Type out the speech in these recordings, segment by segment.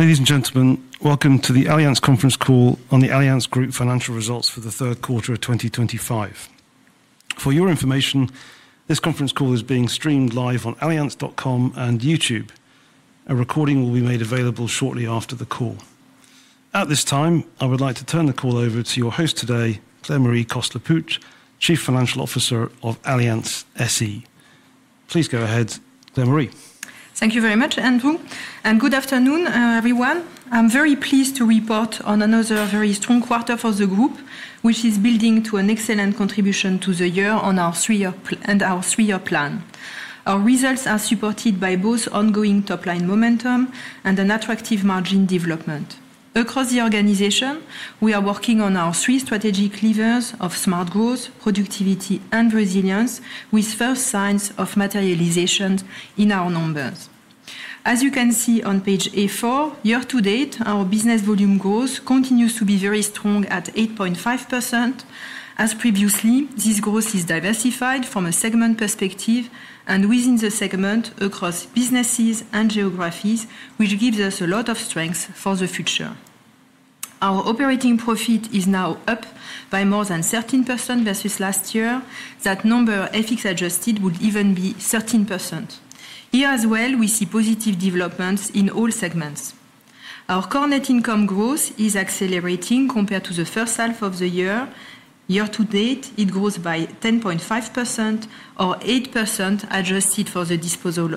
Ladies and gentlemen, Welcome to the Allianz Conference Call on the Allianz Group financial results for the third quarter of 2025. For your information, this conference call is being streamed live on allianz.com and YouTube. A recording will be made available shortly after the call. At this time, I would like to turn the call over to your host today, Claire-Marie Coste-Lepoutre, Chief Financial Officer of Allianz SE. Please go ahead, Claire-Marie. Thank you very much, Andrew, and good afternoon, everyone. I'm very pleased to report on another very strong quarter for the Group, which is building to an excellent contribution to the year on our three-year plan. Our results are supported by both ongoing top-line momentum and an attractive margin development. Across the organization, we are working on our three strategic levers of smart growth, productivity, and resilience, with first signs of materialization in our numbers. As you can see on page A4, year-to-date, our business volume growth continues to be very strong at 8.5%. As previously, this growth is diversified from a segment perspective and within the segment across businesses and geographies, which gives us a lot of strength for the future. Our operating profit is now up by more than 13% versus last year. That number, F/X adjusted, would even be 13%. Here as well, we see positive developments in all segments. Our core net income growth is accelerating compared to the first half of the year. Year-to-date, it grows by 10.5%, or 8% adjusted for the disposal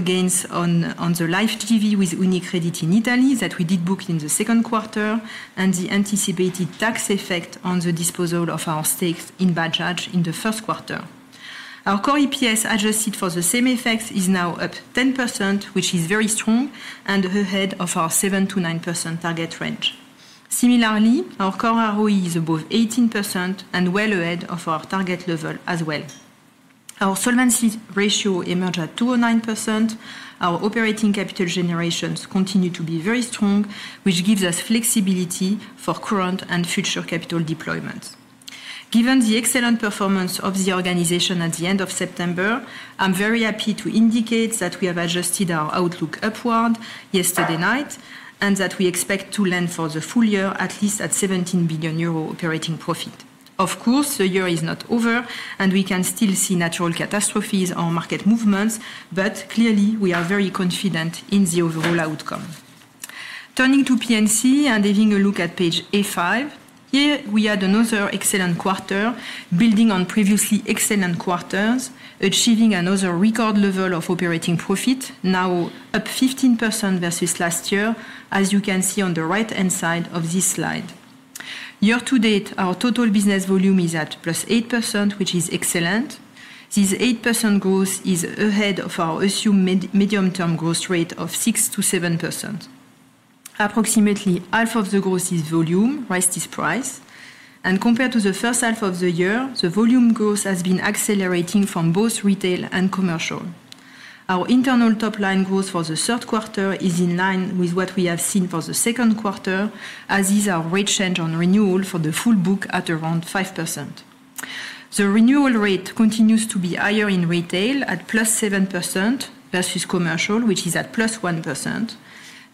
gains on the life JV with UniCredit in Italy that we did book in the second quarter, and the anticipated tax effect on the disposal of our stakes in Bajaj in the first quarter. Our core EPS adjusted for the same effects is now up 10%, which is very strong and ahead of our 7%-9% target range. Similarly, our core ROE is above 18% and well ahead of our target level as well. Our solvency ratio emerged at 209%. Our operating capital generation continues to be very strong, which gives us flexibility for current and future capital deployments. Given the excellent performance of the organization at the end of September, I'm very happy to indicate that we have adjusted our outlook upward yesterday night and that we expect to land for the full year at least at 17 billion euro operating profit. Of course, the year is not over, and we can still see natural catastrophes or market movements, but clearly, we are very confident in the overall outcome. Turning to P&C and having a look at page A5, here we had another excellent quarter, building on previously excellent quarters, achieving another record level of operating profit, now up 15% versus last year, as you can see on the right-hand side of this slide. Year-to-date, our total business volume is at plus 8%, which is excellent. This 8% growth is ahead of our assumed medium-term growth rate of 6%-7%. Approximately half of the growth is volume, rises price. Compared to the first half of the year, the volume growth has been accelerating from both retail and commercial. Our internal top-line growth for the third quarter is in line with what we have seen for the second quarter, as is our rate change on renewal for the full book at around 5%. The renewal rate continues to be higher in retail at +7% versus commercial, which is at +1%.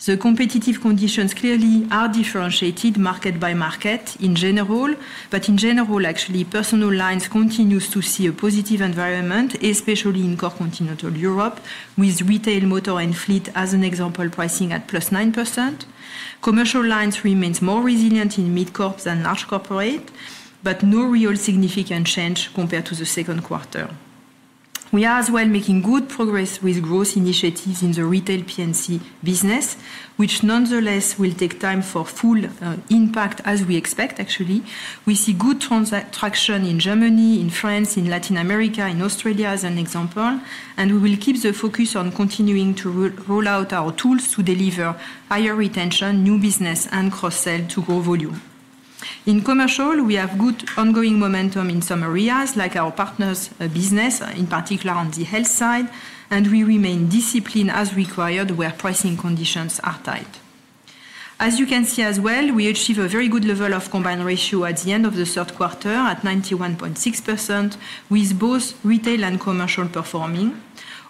The competitive conditions clearly are differentiated market by market in general, but in general, actually, personal lines continue to see a positive environment, especially in core Continental Europe, with retail, motor, and fleet as an example pricing at +9%. Commercial lines remain more resilient in mid-corp than large corporate, but no real significant change compared to the second quarter. We are as well making good progress with growth initiatives in the retail P&C business, which nonetheless will take time for full impact as we expect, actually. We see good traction in Germany, in France, in Latin America, in Australia as an example, and we will keep the focus on continuing to roll out our tools to deliver higher retention, new business, and cross-sale to grow volume. In commercial, we have good ongoing momentum in some areas like our partners' business, in particular on the health side, and we remain disciplined as required where pricing conditions are tight. As you can see as well, we achieve a very good level of combined ratio at the end of the third quarter at 91.6%, with both retail and commercial performing.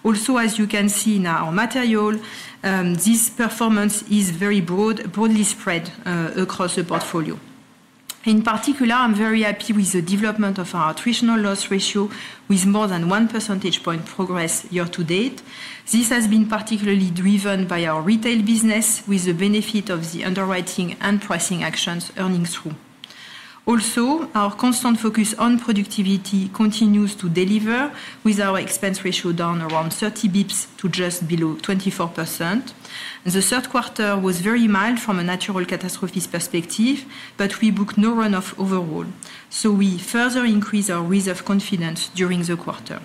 Also, as you can see in our material, this performance is very broadly spread across the portfolio. In particular, I'm very happy with the development of our attritional loss ratio with more than 1 percentage point progress year-to-date. This has been particularly driven by our retail business with the benefit of the underwriting and pricing actions earning through. Also, our constant focus on productivity continues to deliver with our expense ratio down around 30 bps to just below 24%. The third quarter was very mild from a natural catastrophe perspective, but we booked no runoff overall, so we further increased our reserve confidence during the quarter.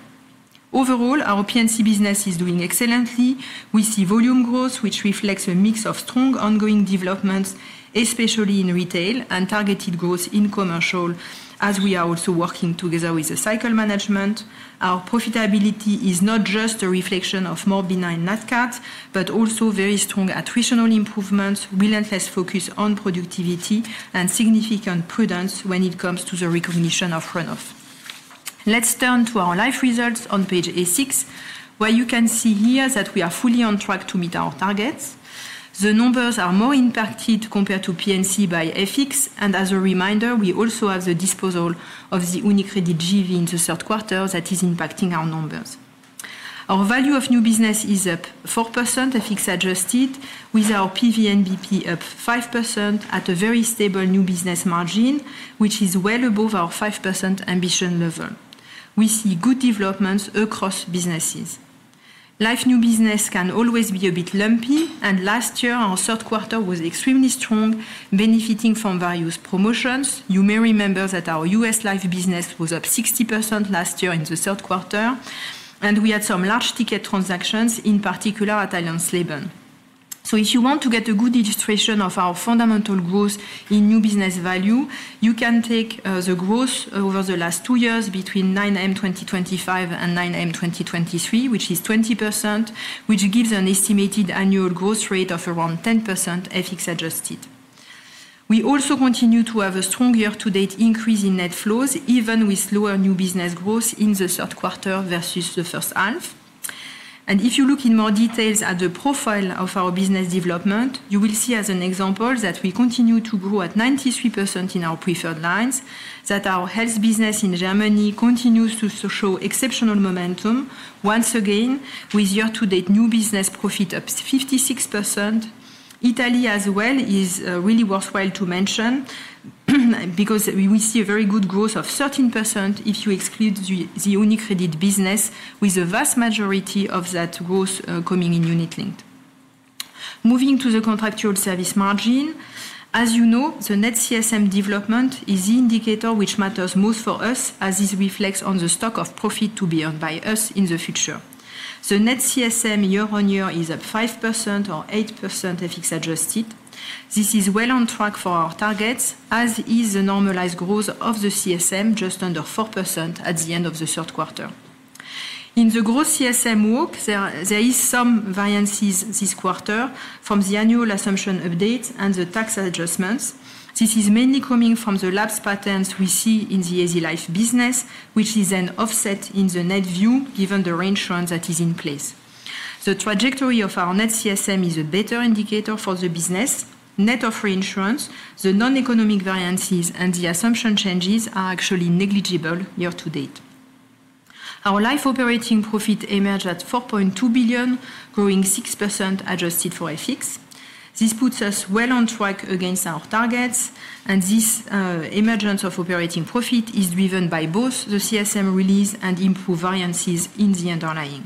Overall, our PNC business is doing excellently. We see volume growth, which reflects a mix of strong ongoing developments, especially in retail and targeted growth in commercial, as we are also working together with the cycle management. Our profitability is not just a reflection of more benign NatCat, but also very strong attritional improvements, relentless focus on productivity, and significant prudence when it comes to the recognition of runoff. Let's turn to our life results on page A6, where you can see here that we are fully on track to meet our targets. The numbers are more impacted compared to P&C by F/X, and as a reminder, we also have the disposal of the UniCredit JV in the third quarter that is impacting our numbers. Our value of new business is up 4%, F/X adjusted, with our PVNBP up 5% at a very stable new business margin, which is well above our 5% ambition level. We see good developments across businesses. Life new business can always be a bit lumpy, and last year, our third quarter was extremely strong, benefiting from various promotions. You may remember that our U.S. life business was up 60% last year in the third quarter, and we had some large ticket transactions, in particular at Allianz Life. If you want to get a good illustration of our fundamental growth in new business value, you can take the growth over the last two years between 9M 2025 and 9M 2023, which is 20%, which gives an estimated annual growth rate of around 10%, F/X adjusted. We also continue to have a strong year-to-date increase in net flows, even with lower new business growth in the third quarter versus the first half. If you look in more detail at the profile of our business development, you will see as an example that we continue to grow at 93% in our preferred lines, that our health business in Germany continues to show exceptional momentum once again, with year-to-date new business profit up 56%. Italy as well is really worthwhile to mention because we see very good growth of 13% if you exclude the UniCredit business, with a vast majority of that growth coming in unit linked. Moving to the contractual service margin, as you know, the net CSM development is the indicator which matters most for us, as this reflects on the stock of profit to be earned by us in the future. The net CSM year-on-year is up 5% or 8%, F/X adjusted. This is well on track for our targets, as is the normalized growth of the CSM just under 4% at the end of the third quarter. In the gross CSM work, there is some variances this quarter from the annual assumption update and the tax adjustments. This is mainly coming from the lapse patterns we see in the Easy Life business, which is an offset in the net view given the reinsurance that is in place. The trajectory of our net CSM is a better indicator for the business. Net of reinsurance, the non-economic variances and the assumption changes are actually negligible year-to-date. Our life operating profit emerged at 4.2 billion, growing 6% adjusted for F/X. This puts us well on track against our targets, and this emergence of operating profit is driven by both the CSM release and improved variances in the underlying.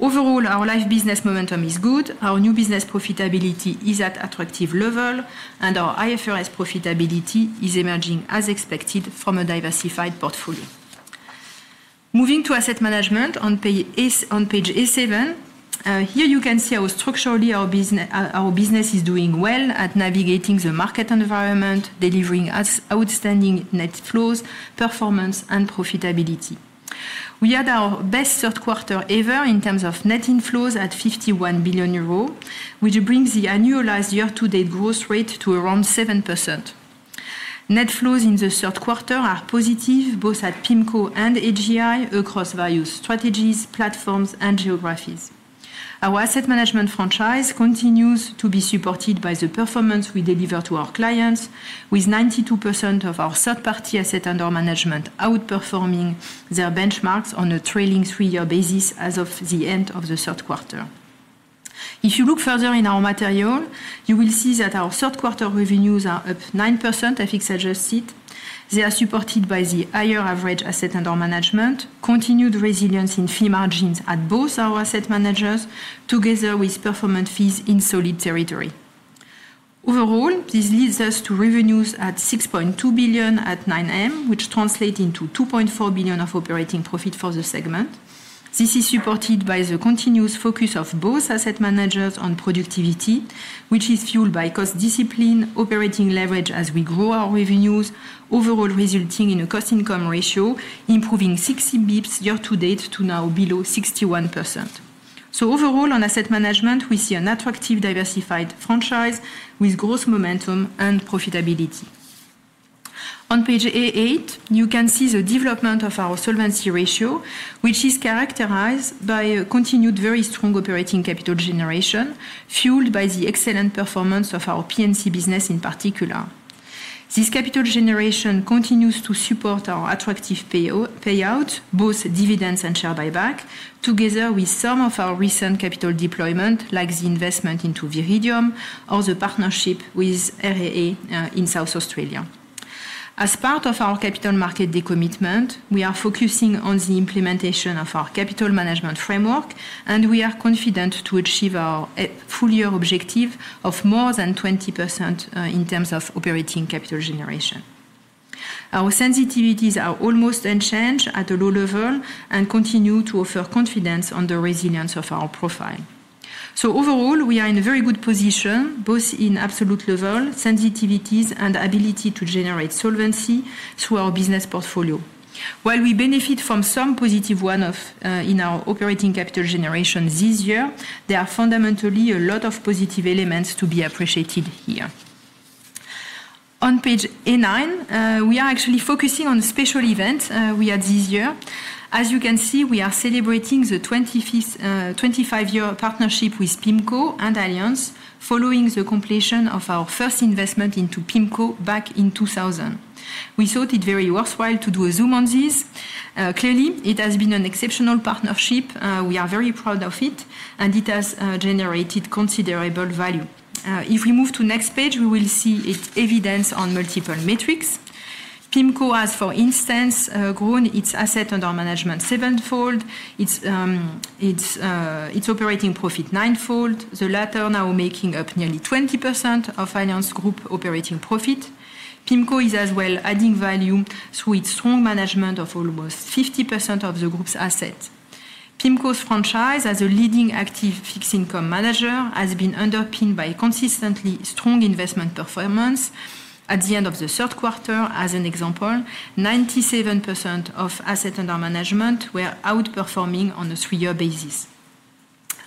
Overall, our life business momentum is good. Our new business profitability is at attractive level, and our IFRS profitability is emerging as expected from a diversified portfolio. Moving to asset management on page A7, here you can see how structurally our business is doing well at navigating the market environment, delivering outstanding net flows, performance, and profitability. We had our best third quarter ever in terms of net inflows at 51 billion euros, which brings the annualized year-to-date growth rate to around 7%. Net flows in the third quarter are positive both at PIMCO and AGI across various strategies, platforms, and geographies. Our asset management franchise continues to be supported by the performance we deliver to our clients, with 92% of our third-party assets under management outperforming their benchmarks on a trailing three-year basis as of the end of the third quarter. If you look further in our material, you will see that our third quarter revenues are up 9%, F/X adjusted. They are supported by the higher average assets under management, continued resilience in fee margins at both our asset managers, together with performance fees in solid territory. Overall, this leads us to revenues at 6.2 billion at 9M, which translates into 2.4 billion of operating profit for the segment. This is supported by the continuous focus of both asset managers on productivity, which is fueled by cost discipline, operating leverage as we grow our revenues, overall resulting in a cost income ratio improving 60 bps year-to-date to now below 61%. Overall, on asset management, we see an attractive diversified franchise with growth momentum and profitability. On page A8, you can see the development of our solvency ratio, which is characterized by continued very strong operating capital generation fueled by the excellent performance of our P&C business in particular. This capital generation continues to support our attractive payout, both dividends and share buyback, together with some of our recent capital deployment, like the investment into Viridium or the partnership with RAA in South Australia. As part of our capital market decommitment, we are focusing on the implementation of our capital management framework, and we are confident to achieve our full year objective of more than 20% in terms of operating capital generation. Our sensitivities are almost unchanged at a low level and continue to offer confidence on the resilience of our profile. Overall, we are in a very good position, both in absolute level, sensitivities, and ability to generate solvency through our business portfolio. While we benefit from some positive runoff in our operating capital generation this year, there are fundamentally a lot of positive elements to be appreciated here. On page A9, we are actually focusing on special events we had this year. As you can see, we are celebrating the 25-year partnership with PIMCO and Allianz following the completion of our first investment into PIMCO back in 2000. We thought it very worthwhile to do a zoom on this. Clearly, it has been an exceptional partnership. We are very proud of it, and it has generated considerable value. If we move to the next page, we will see its evidence on multiple metrics. PIMCO has, for instance, grown its asset under management seven-fold, its operating profit nine-fold, the latter now making up nearly 20% of Allianz Group operating profit. PIMCO is as well adding value through its strong management of almost 50% of the group's assets. PIMCO's franchise as a leading active fixed income manager has been underpinned by consistently strong investment performance. At the end of the third quarter, as an example, 97% of assets under management were outperforming on a three-year basis.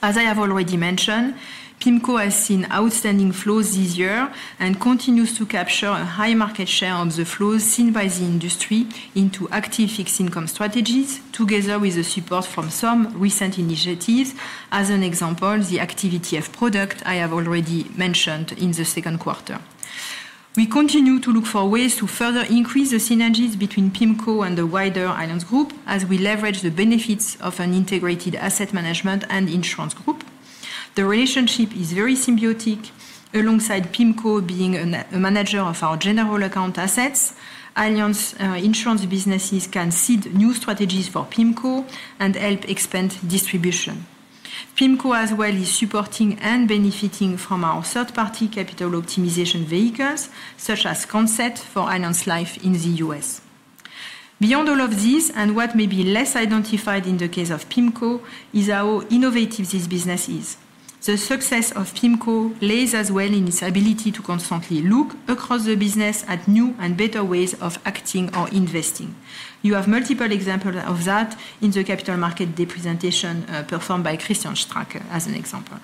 As I have already mentioned, PIMCO has seen outstanding flows this year and continues to capture a high market share of the flows seen by the industry into active fixed income strategies, together with the support from some recent initiatives, as an example, the activity of product I have already mentioned in the second quarter. We continue to look for ways to further increase the synergies between PIMCO and the wider Allianz Group as we leverage the benefits of an integrated asset management and insurance group. The relationship is very symbiotic alongside PIMCO being a manager of our general account assets. Allianz insurance businesses can seed new strategies for PIMCO and help expand distribution. PIMCO as well is supporting and benefiting from our third-party capital optimization vehicles such as Concept for Allianz Life in the U.S.. Beyond all of this, and what may be less identified in the case of PIMCO, is how innovative this business is. The success of PIMCO lies as well in its ability to constantly look across the business at new and better ways of acting or investing. You have multiple examples of that in the Capital Market Day presentation performed by Christian Strack as an example.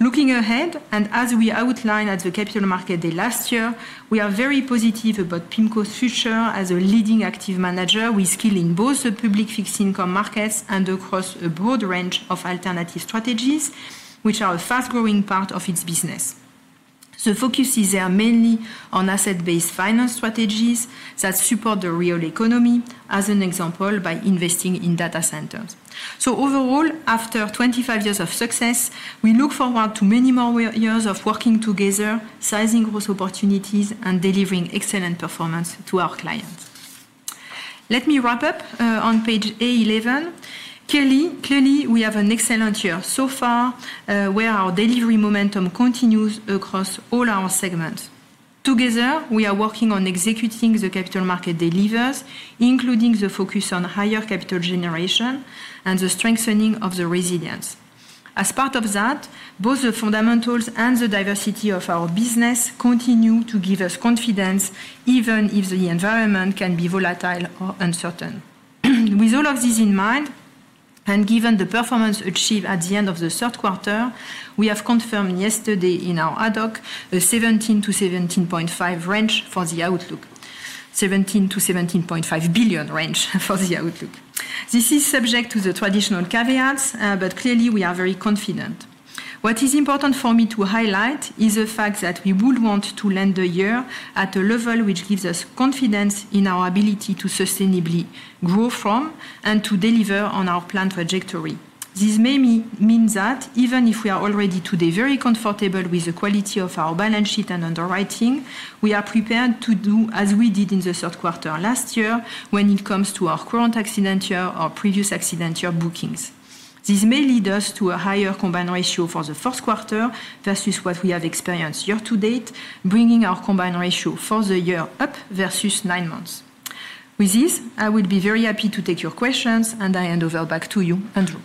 Looking ahead, and as we outlined at the Capital Market Day last year, we are very positive about PIMCO's future as a leading active manager with skill in both the public fixed income markets and across a broad range of alternative strategies, which are a fast-growing part of its business. The focus is there mainly on asset-based finance strategies that support the real economy, as an example, by investing in data centers. Overall, after 25 years of success, we look forward to many more years of working together, sizing growth opportunities, and delivering excellent performance to our clients. Let me wrap up on page A11. Clearly, we have an excellent year so far where our delivery momentum continues across all our segments. Together, we are working on executing the capital market delivers, including the focus on higher capital generation and the strengthening of the resilience. As part of that, both the fundamentals and the diversity of our business continue to give us confidence, even if the environment can be volatile or uncertain. With all of this in mind, and given the performance achieved at the end of the third quarter, we have confirmed yesterday in our ad hoc a 17 billion-17.5 billion range for the outlook. This is subject to the traditional caveats, but clearly, we are very confident. What is important for me to highlight is the fact that we would want to land the year at a level which gives us confidence in our ability to sustainably grow from and to deliver on our planned trajectory. This may mean that even if we are already today very comfortable with the quality of our balance sheet and underwriting, we are prepared to do as we did in the third quarter last year when it comes to our current accident year or previous accident year bookings. This may lead us to a higher combined ratio for the fourth quarter versus what we have experienced year-to-date, bringing our combined ratio for the year up versus nine months. With this, I will be very happy to take your questions, and I hand over back to you, Andrew.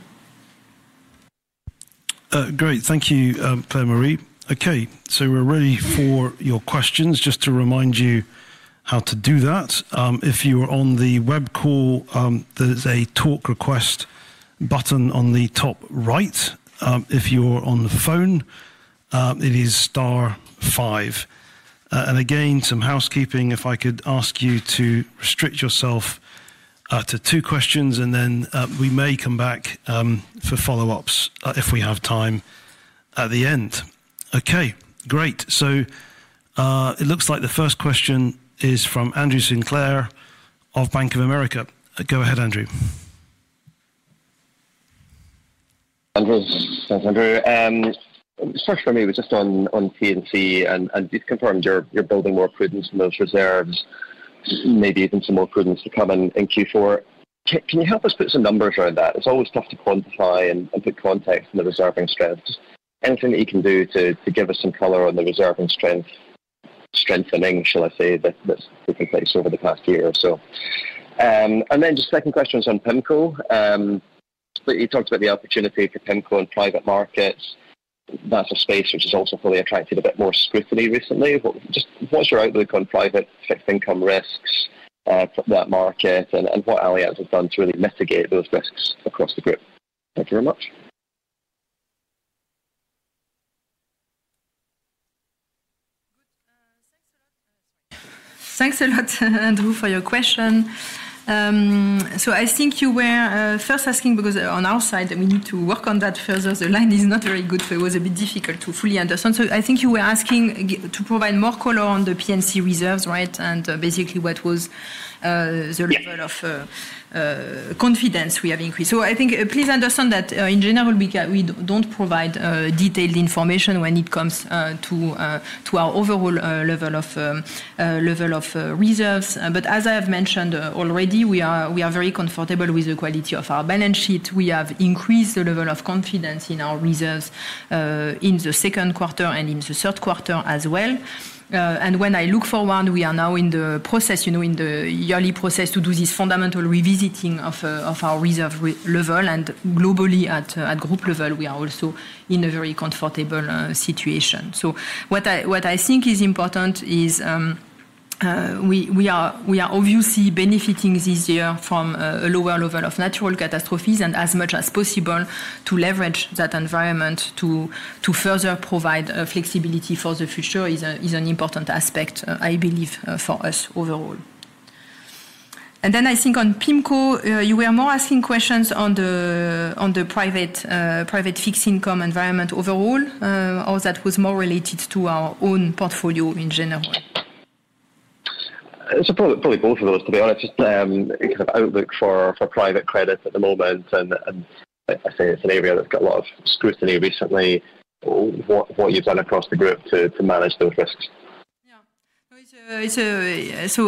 Great. Thank you, Claire-Marie. Okay, so we're ready for your questions. Just to remind you how to do that, if you're on the web call, there's a talk request button on the top right. If you're on the phone, it is star five. Again, some housekeeping, if I could ask you to restrict yourself to two questions, and then we may come back for follow-ups if we have time at the end. Okay, great. It looks like the first question is from Andrew Sinclair of Bank of America. Go ahead, Andrew. Thanks, Andrew. First for me, we're just on P&C, and you've confirmed you're building more prudence in those reserves, maybe even some more prudence to come in Q4. Can you help us put some numbers around that? It's always tough to quantify and put context in the reserving strength. Anything that you can do to give us some color on the reserving strength, strengthening, shall I say, that's taken place over the past year or so. The second question is on PIMCO. You talked about the opportunity for PIMCO in private markets. That's a space which has also fully attracted a bit more scrutiny recently. Just what's your outlook on private fixed income risks for that market, and what Allianz has done to really mitigate those risks across the group? Thank you very much. Thanks a lot, Andrew, for your question. I think you were first asking because on our side, we need to work on that further. The line is not very good, so it was a bit difficult to fully understand. I think you were asking to provide more color on the P&C reserves, right, and basically what was the level of confidence we have increased. Please understand that in general, we do not provide detailed information when it comes to our overall level of reserves. As I have mentioned already, we are very comfortable with the quality of our balance sheet. We have increased the level of confidence in our reserves in the second quarter and in the third quarter as well. When I look forward, we are now in the process, in the yearly process to do this fundamental revisiting of our reserve level, and globally at group level, we are also in a very comfortable situation. What I think is important is we are obviously benefiting this year from a lower level of natural catastrophes, and as much as possible to leverage that environment to further provide flexibility for the future is an important aspect, I believe, for us overall. I think on PIMCO, you were more asking questions on the private fixed income environment overall, or that was more related to our own portfolio in general? Probably both of those, to be honest. Kind of outlook for private credit at the moment, and I say it's an area that's got a lot of scrutiny recently. What you've done across the group to manage those risks? Yeah.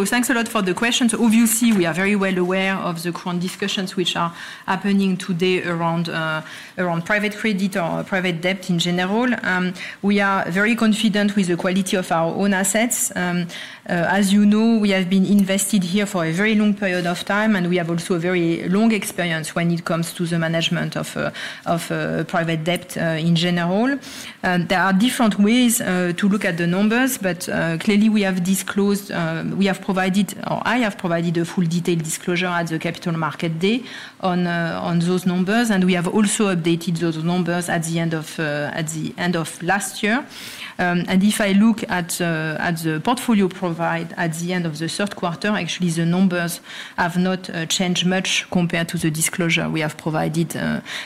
Thanks a lot for the questions. Obviously, we are very well aware of the current discussions which are happening today around private credit or private debt in general. We are very confident with the quality of our own assets. As you know, we have been invested here for a very long period of time, and we have also a very long experience when it comes to the management of private debt in general. There are different ways to look at the numbers, but clearly, we have disclosed, we have provided, or I have provided a full detailed disclosure at the Capital Market Day on those numbers, and we have also updated those numbers at the end of last year. If I look at the portfolio provided at the end of the third quarter, actually, the numbers have not changed much compared to the disclosure we have provided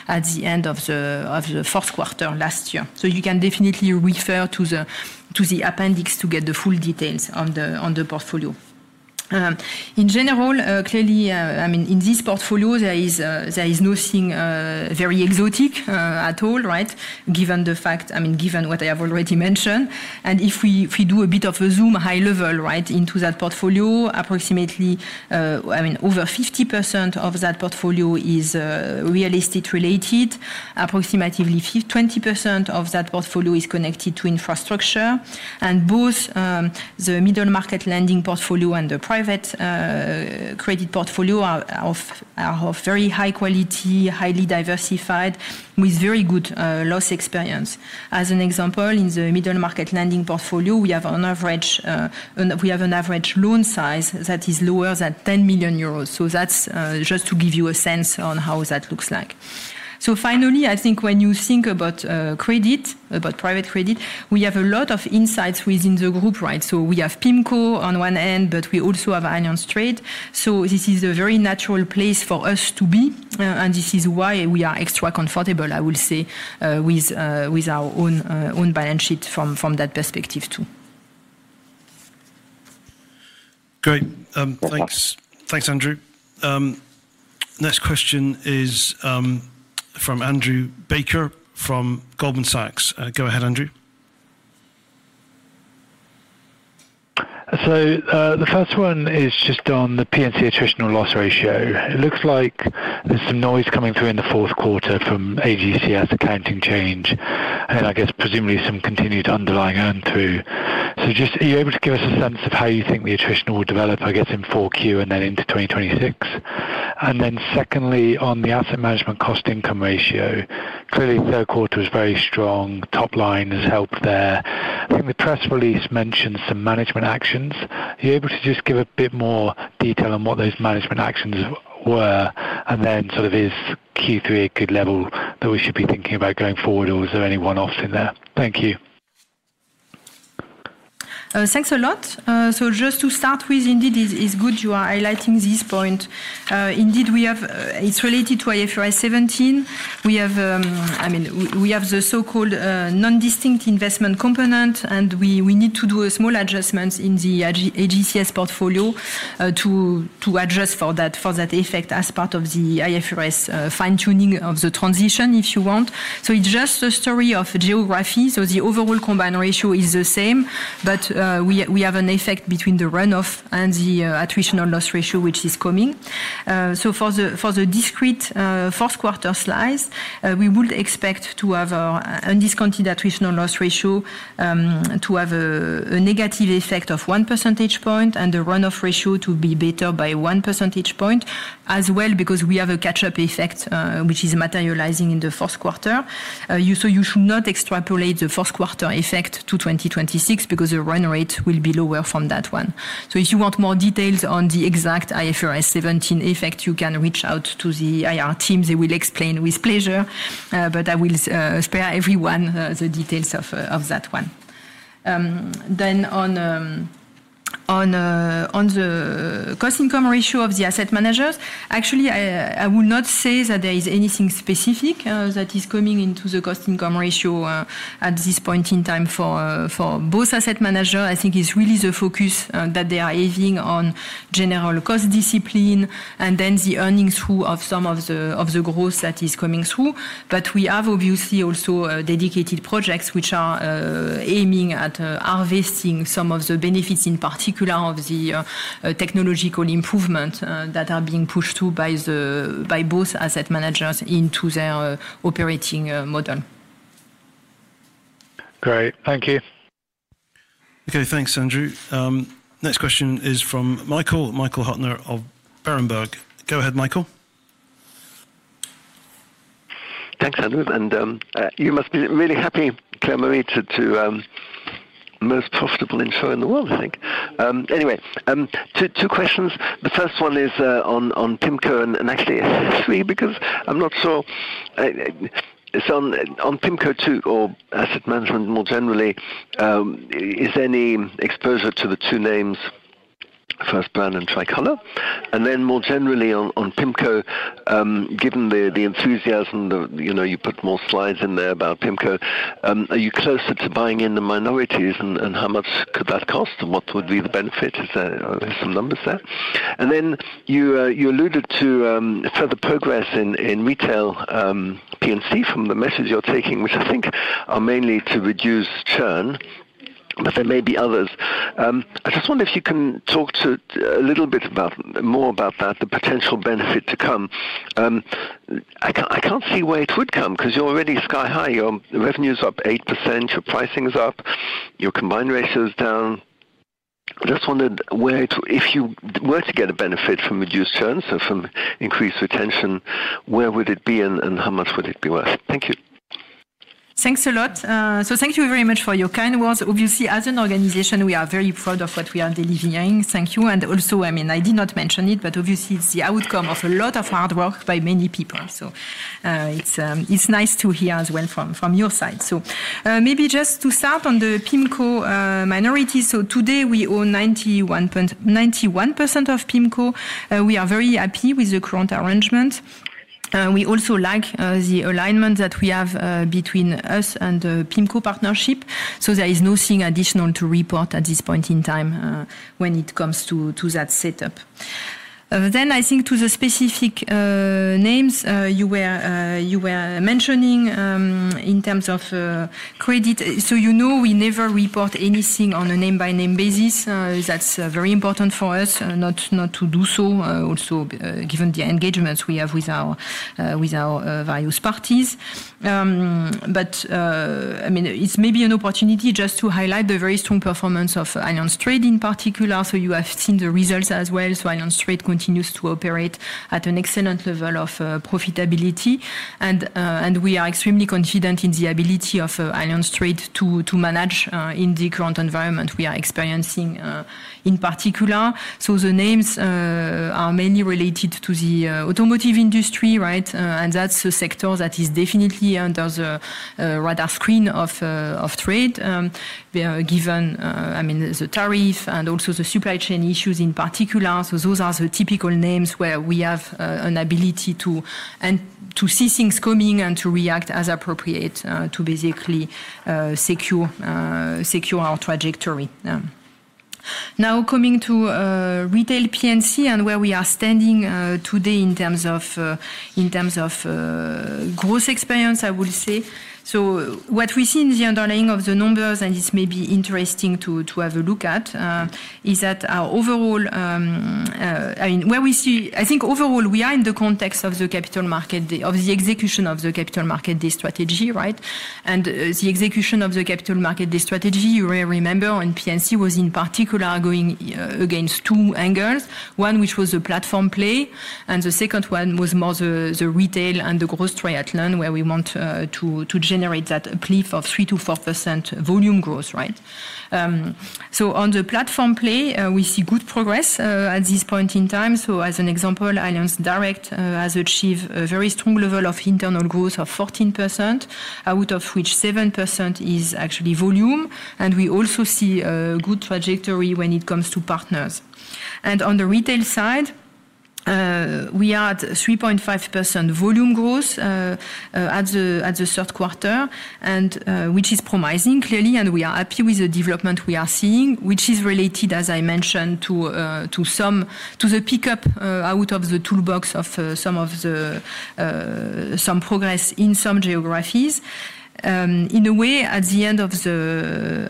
at the end of the fourth quarter last year. You can definitely refer to the appendix to get the full details on the portfolio. In general, clearly, I mean, in this portfolio, there is nothing very exotic at all, right, given the fact, I mean, given what I have already mentioned. If we do a bit of a zoom high level, right, into that portfolio, approximately, I mean, over 50% of that portfolio is real estate related. Approximately 20% of that portfolio is connected to infrastructure. Both the middle market lending portfolio and the private credit portfolio are of very high quality, highly diversified, with very good loss experience. As an example, in the middle market lending portfolio, we have an average loan size that is lower than 10 million euros. That is just to give you a sense on how that looks like. Finally, I think when you think about credit, about private credit, we have a lot of insights within the group, right? We have PIMCO on one end, but we also have Allianz Trade. This is a very natural place for us to be, and this is why we are extra comfortable, I will say, with our own balance sheet from that perspective too. Great. Thanks, Andrew. Next question is from Andrew Baker from Goldman Sachs. Go ahead, Andrew. The first one is just on the P&C attritional loss ratio. It looks like there is some noise coming through in the fourth quarter from AGCS accounting change, and I guess presumably some continued underlying earn-through. Are you able to give us a sense of how you think the attritional will develop, I guess, in fourth quarter and then into 2026? Secondly, on the asset management cost-income ratio, clearly third quarter was very strong. Top line has helped there. I think the press release mentioned some management actions. Are you able to just give a bit more detail on what those management actions were, and then sort of is Q3 a good level that we should be thinking about going forward, or is there any one-offs in there? Thank you. Thanks a lot. Just to start with, indeed, it's good you are highlighting this point. Indeed, it's related to IFRS 17. I mean, we have the so-called non-distinct investment component, and we need to do a small adjustment in the AGCS portfolio to adjust for that effect as part of the IFRS fine-tuning of the transition, if you want. It's just a story of geography. The overall combined ratio is the same, but we have an effect between the runoff and the attritional loss ratio which is coming. For the discrete fourth quarter slice, we would expect to have an undiscounted attritional loss ratio to have a negative effect of 1 percentage point, and the runoff ratio to be better by 1 percentage point as well, because we have a catch-up effect which is materializing in the fourth quarter. You should not extrapolate the fourth quarter effect to 2026 because the run rate will be lower from that one. If you want more details on the exact IFRS 17 effect, you can reach out to the IR team. They will explain with pleasure, but I will spare everyone the details of that one. On the cost-income ratio of the asset managers, actually, I will not say that there is anything specific that is coming into the cost-income ratio at this point in time for both asset managers. I think it's really the focus that they are aiming on general cost discipline, and then the earnings through of some of the growth that is coming through. We have obviously also dedicated projects which are aiming at harvesting some of the benefits, in particular of the technological improvement that are being pushed through by both asset managers into their operating model. Great. Thank you. Okay, thanks, Andrew. Next question is from Michael Huttner of Berenberg. Go ahead, Michael. Thanks, Andrew. You must be really happy, Claire-Marie, to most profitable insurer in the world, I think. Anyway, two questions. The first one is on PIMCO, and actually three because I'm not sure on PIMCO too, or asset management more generally, is there any exposure to the two names, first Brand and Tricolor? More generally on PIMCO, given the enthusiasm, you put more slides in there about PIMCO, are you closer to buying in the minorities, and how much could that cost, and what would be the benefit? Is there some numbers there? You alluded to further progress in retail P&C from the message you're taking, which I think are mainly to reduce churn, but there may be others. I just wonder if you can talk a little bit more about that, the potential benefit to come. I can't see where it would come because you're already sky high. Your revenue's up 8%, your pricing's up, your combined ratio's down. I just wondered if you were to get a benefit from reduced churn, so from increased retention, where would it be, and how much would it be worth? Thank you. Thanks a lot. Thank you very much for your kind words. Obviously, as an organization, we are very proud of what we are delivering. Thank you. Also, I mean, I did not mention it, but obviously, it is the outcome of a lot of hard work by many people. It is nice to hear as well from your side. Maybe just to start on the PIMCO minorities, today we own 91% of PIMCO. We are very happy with the current arrangement. We also like the alignment that we have between us and the PIMCO partnership. There is nothing additional to report at this point in time when it comes to that setup. I think to the specific names you were mentioning in terms of credit, you know we never report anything on a name-by-name basis. That's very important for us not to do so, also given the engagements we have with our various parties. I mean, it's maybe an opportunity just to highlight the very strong performance of Allianz Trade in particular. You have seen the results as well. Allianz Trade continues to operate at an excellent level of profitability, and we are extremely confident in the ability of Allianz Trade to manage in the current environment we are experiencing in particular. The names are mainly related to the automotive industry, right? That's a sector that is definitely under the radar screen of trade, given, I mean, the tariff and also the supply chain issues in particular. Those are the typical names where we have an ability to see things coming and to react as appropriate to basically secure our trajectory. Now coming to retail P&C and where we are standing today in terms of gross experience, I would say. What we see in the underlying of the numbers, and it's maybe interesting to have a look at, is that our overall, I mean, where we see, I think overall we are in the context of the capital market, of the execution of the Capital Market Day strategy, right? The execution of the Capital Market Day strategy, you remember, and P&C was in particular going against two angles. One which was the platform play, and the second one was more the retail and the gross triathlon where we want to generate that plea of 3%-4% volume growth, right? On the platform play, we see good progress at this point in time. As an example, Allianz Direct has achieved a very strong level of internal growth of 14%, out of which 7% is actually volume. We also see good trajectory when it comes to partners. On the retail side, we are at 3.5% volume growth at the third quarter, which is promising clearly, and we are happy with the development we are seeing, which is related, as I mentioned, to the pickup out of the toolbox of some progress in some geographies. In a way, at the end of the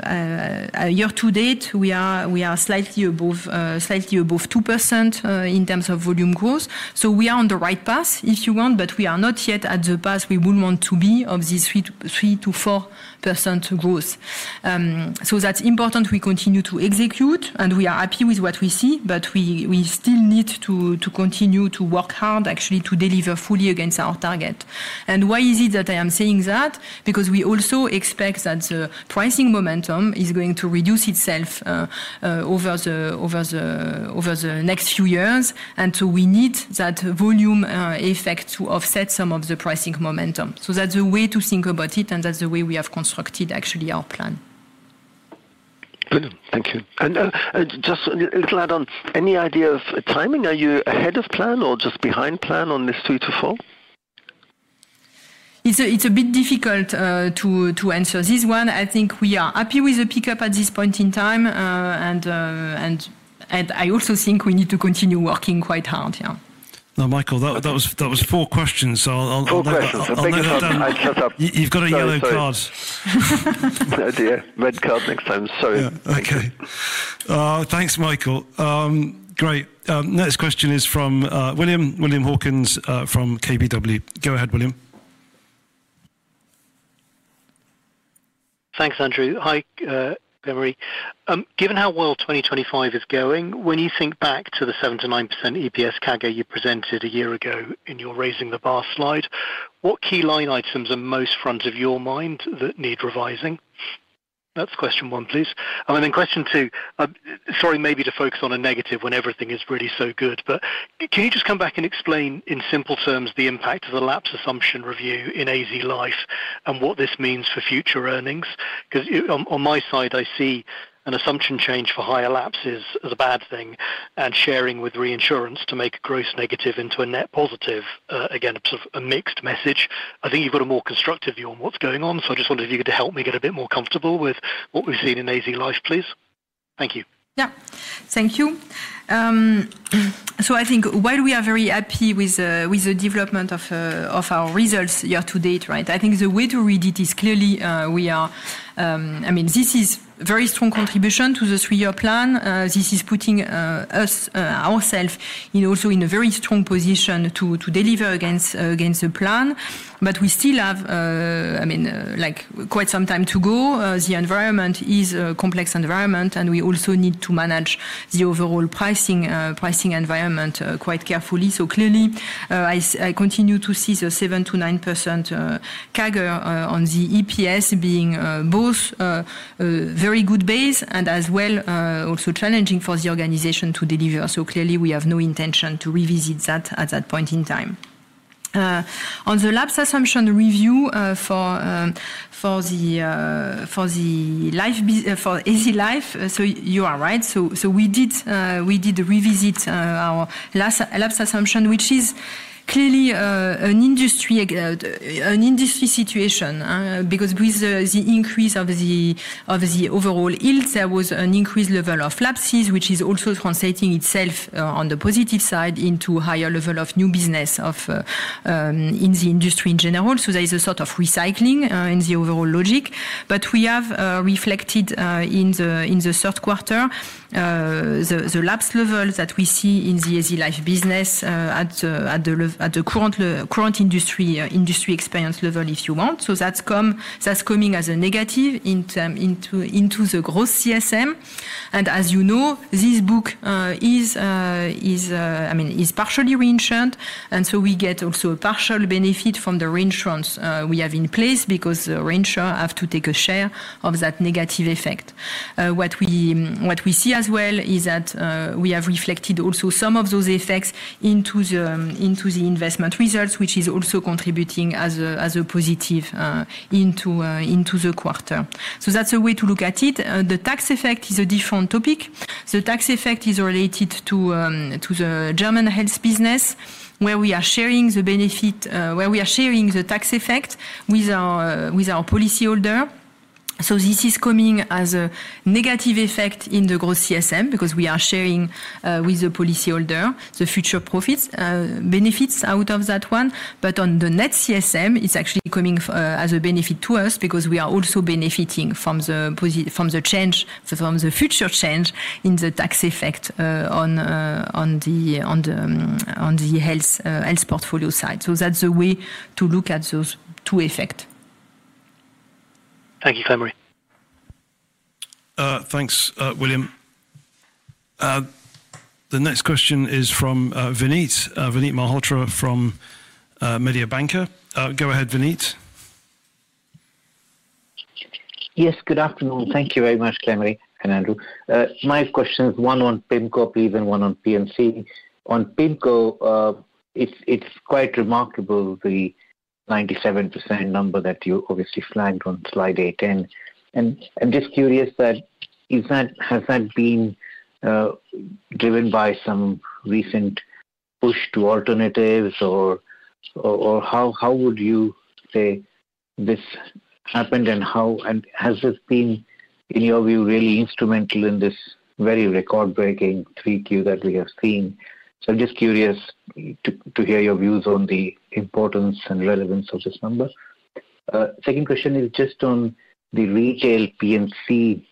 year to date, we are slightly above 2% in terms of volume growth. We are on the right path, if you want, but we are not yet at the path we would want to be of this 3%-4% growth. That is important we continue to execute, and we are happy with what we see, but we still need to continue to work hard, actually, to deliver fully against our target. Why is it that I am saying that? Because we also expect that the pricing momentum is going to reduce itself over the next few years, and we need that volume effect to offset some of the pricing momentum. That is a way to think about it, and that is the way we have constructed, actually, our plan. Thank you. Just a little add-on, any idea of timing? Are you ahead of plan or just behind plan on this 3-4? It is a bit difficult to answer this one. I think we are happy with the pickup at this point in time, and I also think we need to continue working quite hard, yeah. No, Michael, that was four questions. I'll make a shut-up. You've got a yellow card. No idea. Red card next time. Sorry. Okay. Thanks, Michael. Great. Next question is from William Hawkins from KBW. Go ahead, William. Thanks, Andrew. Hi, Claire-Marie. Given how well 2025 is going, when you think back to the 7%-9% EPS CAGR you presented a year ago in your raising the bar slide, what key line items are most front of your mind that need revising? That's question one, please. And then question two, sorry, maybe to focus on a negative when everything is really so good, but can you just come back and explain in simple terms the impact of the lapse assumption review in AZ Life and what this means for future earnings? Because on my side, I see an assumption change for higher lapses as a bad thing and sharing with reinsurance to make a gross negative into a net positive, again, sort of a mixed message. I think you have got a more constructive view on what is going on, so I just wanted you to help me get a bit more comfortable with what we have seen in AZ Life, please. Thank you. Yeah. Thank you. I think while we are very happy with the development of our results year to date, right, I think the way to read it is clearly we are, I mean, this is a very strong contribution to the three-year plan. This is putting us ourselves also in a very strong position to deliver against the plan, but we still have, I mean, quite some time to go. The environment is a complex environment, and we also need to manage the overall pricing environment quite carefully. Clearly, I continue to see the 7%-9% CAGR on the EPS being both a very good base and as well also challenging for the organization to deliver. Clearly, we have no intention to revisit that at that point in time. On the lapse assumption review for the AZ Life, you are right. We did revisit our lapse assumption, which is clearly an industry situation because with the increase of the overall yields, there was an increased level of lapses, which is also translating itself on the positive side into a higher level of new business in the industry in general. There is a sort of recycling in the overall logic. We have reflected in the third quarter the lapse levels that we see in the AZ Life business at the current industry experience level, if you want. That is coming as a negative into the gross CSM. As you know, this book is, I mean, is partially reinsured, and we get also a partial benefit from the reinsurance we have in place because the reinsurer has to take a share of that negative effect. What we see as well is that we have reflected also some of those effects into the investment results, which is also contributing as a positive into the quarter. That is a way to look at it. The tax effect is a different topic. The tax effect is related to the German health business, where we are sharing the benefit, where we are sharing the tax effect with our policyholder. This is coming as a negative effect in the gross CSM because we are sharing with the policyholder the future profits, benefits out of that one. On the net CSM, it's actually coming as a benefit to us because we are also benefiting from the change, from the future change in the tax effect on the health portfolio side. That's a way to look at those two effects. Thank you, Claire-Marie. Thanks, William. The next question is from Vinit, Vinit Malhotra from Mediobanca. Go ahead, Vinit. Yes, good afternoon. Thank you very much, Claire-Marie and Andrew. My question is one on PIMCO, please, and one on P&C. On PIMCO, it's quite remarkable the 97% number that you obviously flagged on slide 18. I'm just curious, has that been driven by some recent push to alternatives, or how would you say this happened, and has this been, in your view, really instrumental in this very record-breaking 3Q that we have seen? I'm just curious to hear your views on the importance and relevance of this number. My second question is just on the retail P&C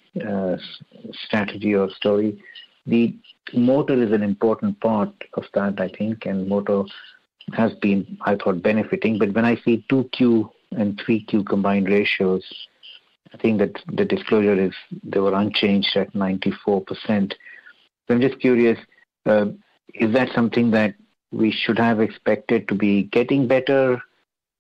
strategy or story. The motor is an important part of that, I think, and motor has been, I thought, benefiting. When I see 2Q and 3Q combined ratios, I think that the disclosure is they were unchanged at 94%. I'm just curious, is that something that we should have expected to be getting better?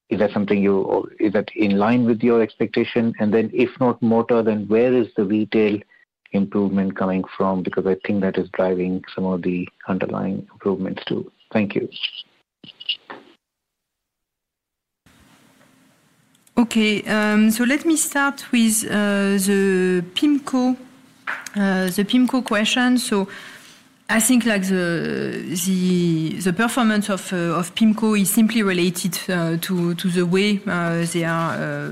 Is that in line with your expectation? If not motor, then where is the retail improvement coming from? Because I think that is driving some of the underlying improvements too. Thank you. Okay. Let me start with the PIMCO question. I think the performance of PIMCO is simply related to the way they are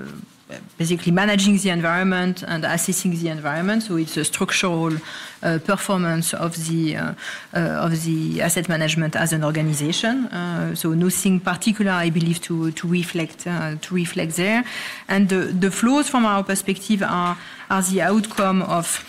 basically managing the environment and assessing the environment. It is a structural performance of the asset management as an organization. Nothing particular, I believe, to reflect there. The flows from our perspective are the outcome of,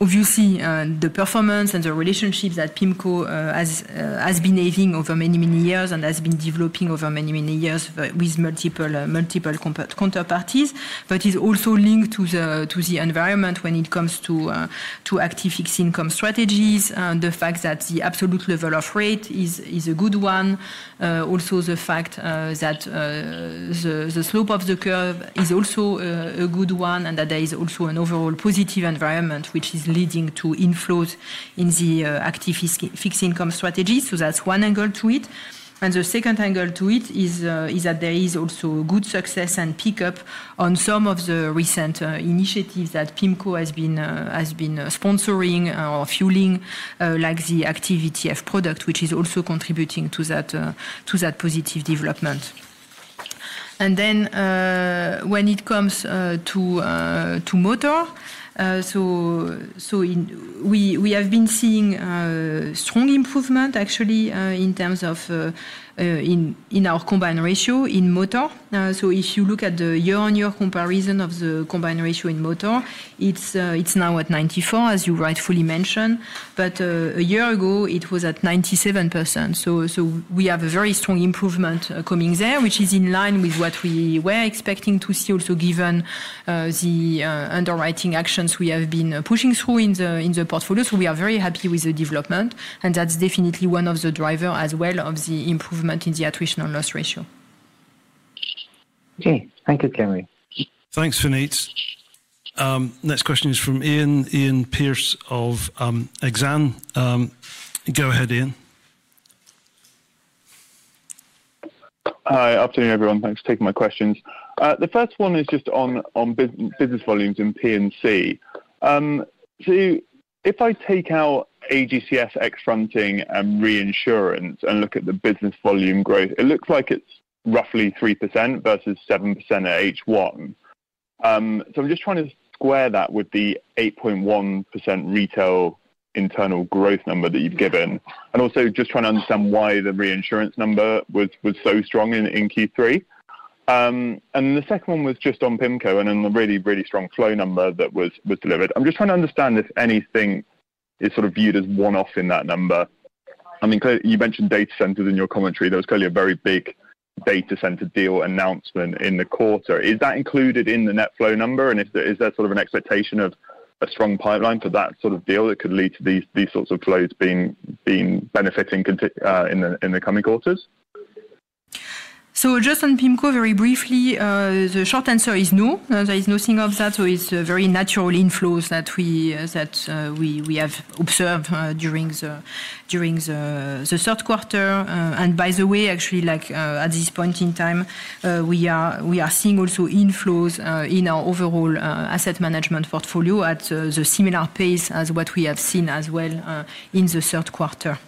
obviously, the performance and the relationships that PIMCO has been having over many, many years and has been developing over many, many years with multiple counterparties, but is also linked to the environment when it comes to active fixed income strategies, the fact that the absolute level of rate is a good one, also the fact that the slope of the curve is also a good one, and that there is also an overall positive environment which is leading to inflows in the active fixed income strategies. That is one angle to it. The second angle to it is that there is also good success and pickup on some of the recent initiatives that PIMCO has been sponsoring or fueling, like the Active ETF product, which is also contributing to that positive development. When it comes to motor, we have been seeing strong improvement, actually, in terms of our combined ratio in motor. If you look at the year-on-year comparison of the combined ratio in motor, it is now at 94%, as you rightfully mentioned, but a year ago, it was at 97%. We have a very strong improvement coming there, which is in line with what we were expecting to see also given the underwriting actions we have been pushing through in the portfolio. We are very happy with the development, and that is definitely one of the drivers as well of the improvement in the attritional loss ratio. Okay. Thank you, Claire-Marie. Thanks, Vinit. Next question is from Iain Pearce of Exane. Go ahead, Iain. Hi, afternoon, everyone. Thanks for taking my questions. The first one is just on business volumes in P&C. If I take out AGCS, Xfronting, and reinsurance and look at the business volume growth, it looks like it's roughly 3% versus 7% at each one. I'm just trying to square that with the 8.1% retail internal growth number that you've given, and also just trying to understand why the reinsurance number was so strong in Q3. The second one was just on PIMCO and then the really, really strong flow number that was delivered. I'm just trying to understand if anything is sort of viewed as one-off in that number. I mean, you mentioned data centers in your commentary. There was clearly a very big data center deal announcement in the quarter. Is that included in the net flow number? Is there sort of an expectation of a strong pipeline for that sort of deal that could lead to these sorts of flows being benefiting in the coming quarters? Just on PIMCO, very briefly, the short answer is no. There is nothing of that. It is very natural inflows that we have observed during the third quarter. By the way, actually, at this point in time, we are seeing also inflows in our overall asset management portfolio at the similar pace as what we have seen as well in the third quarter.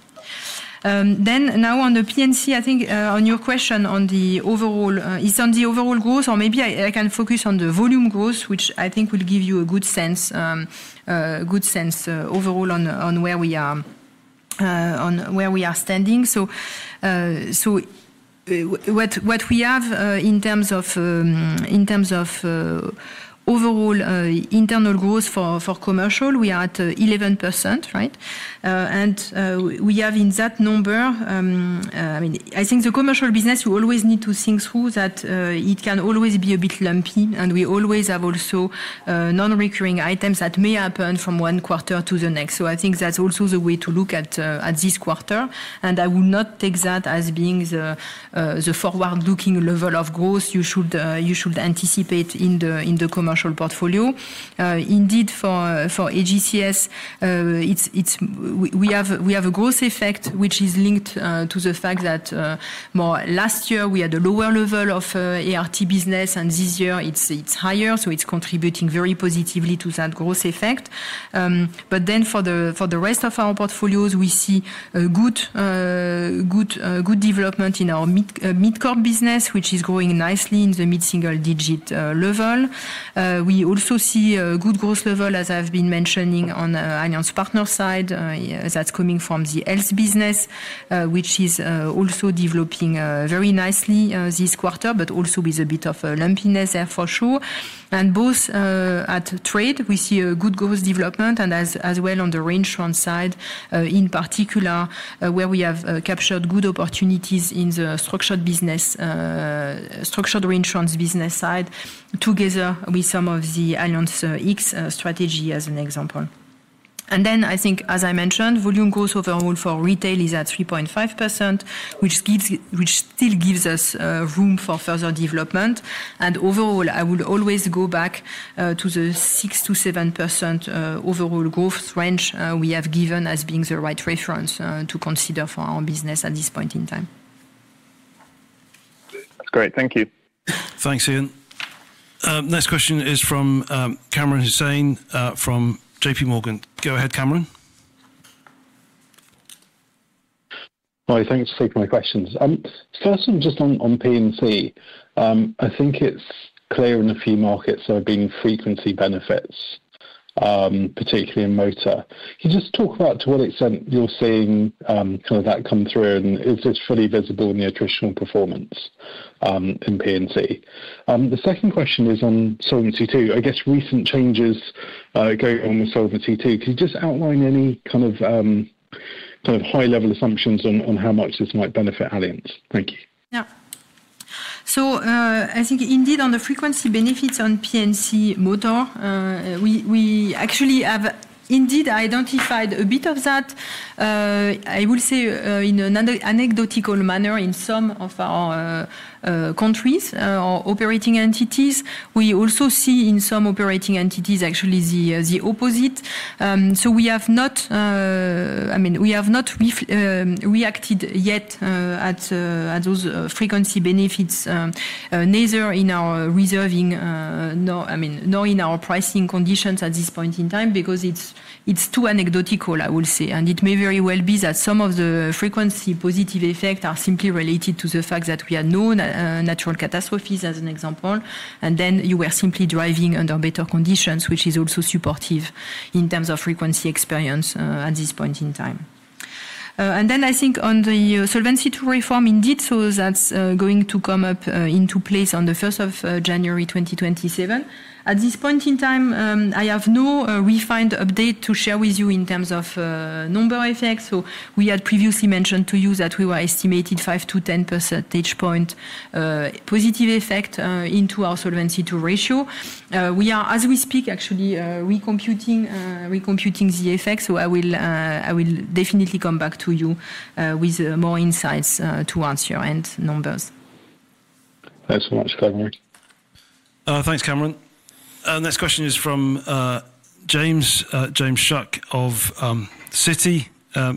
Now on the P&C, I think on your question on the overall, is on the overall growth, or maybe I can focus on the volume growth, which I think will give you a good sense, a good sense overall on where we are standing. What we have in terms of overall internal growth for commercial, we are at 11%, right? We have in that number, I mean, I think the commercial business, you always need to think through that it can always be a bit lumpy, and we always have also non-recurring items that may happen from one quarter to the next. I think that is also the way to look at this quarter, and I will not take that as being the forward-looking level of growth you should anticipate in the commercial portfolio. Indeed, for AGCS, we have a growth effect which is linked to the fact that last year we had a lower level of ART business, and this year it is higher. It is contributing very positively to that growth effect. For the rest of our portfolios, we see good development in our mid-core business, which is growing nicely in the mid-single-digit level. We also see a good growth level, as I've been mentioning, on Allianz Partners' side. That is coming from the health business, which is also developing very nicely this quarter, but also with a bit of lumpiness there for sure. At Allianz Trade, we see a good growth development, as well as on the reinsurance side, in particular, where we have captured good opportunities in the structured reinsurance business side together with some of the Allianz X strategy as an example. I think, as I mentioned, volume growth overall for retail is at 3.5%, which still gives us room for further development. Overall, I will always go back to the 6%-7% overall growth range we have given as being the right reference to consider for our business at this point in time. Great. Thank you. Thanks, Iain. Next question is from Kamran Hossain from JPMorgan. Go ahead, Kamran. Hi. Thanks for taking my questions. First, just on P&C, I think it is clear in a few markets there have been frequency benefits, particularly in motor. Can you just talk about to what extent you are seeing kind of that come through, and is this fully visible in the attritional performance in P&C? The second question is on Solvency II. I guess recent changes going on with Solvency II. Can you just outline any kind of high-level assumptions on how much this might benefit Allianz? Thank you. Yeah. I think indeed on the frequency benefits on P&C motor, we actually have indeed identified a bit of that. I will say in an anecdotal manner, in some of our countries or operating entities, we also see in some operating entities actually the opposite. We have not, I mean, we have not reacted yet at those frequency benefits neither in our reserving, I mean, nor in our pricing conditions at this point in time because it is too anecdotal, I will say. It may very well be that some of the frequency positive effects are simply related to the fact that we had no natural catastrophes as an example, and then you were simply driving under better conditions, which is also supportive in terms of frequency experience at this point in time. I think on the Solvency II reform indeed, that is going to come up into place on the 1st of January 2027. At this point in time, I have no refined update to share with you in terms of number effects. We had previously mentioned to you that we were estimating 5-10 percentage points positive effect into our Solvency II ratio. We are, as we speak, actually recomputing the effects. I will definitely come back to you with more insights to answer and numbers. Thanks so much, Claire-Marie. Thanks, Kamran Next question is from James Shuck of Citi.